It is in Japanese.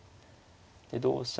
で同飛車